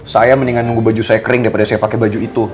saya mendingan nunggu baju saya kering daripada saya pakai baju itu